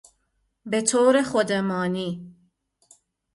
به طورخودمانی